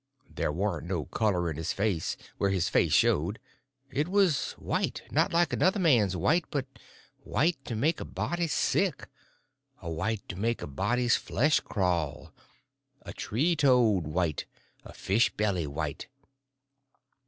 There warn't no color in his face, where his face showed; it was white; not like another man's white, but a white to make a body sick, a white to make a body's flesh crawl—a tree toad white, a fish belly white.